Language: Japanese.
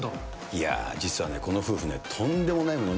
いやー、実はね、この夫婦ね、とんでもないもの？